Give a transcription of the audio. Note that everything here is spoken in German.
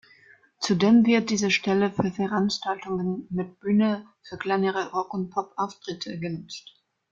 Zudem wird diese Stelle für Veranstaltungen mit Bühne für kleinere Rock- und Pop-Auftritte genutzt.